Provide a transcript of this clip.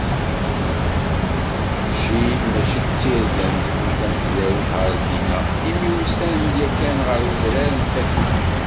Ccil mačči d tirza-nsen tamezwarut ɣer dinna, imi usan-d yakan ɣer Udrar n Takkuct.